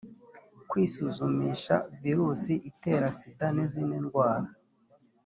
kwisuzumisha virusi itera sida n izindi ndwara